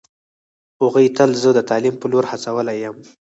هغوی تل زه د تعلیم په لور هڅولی یم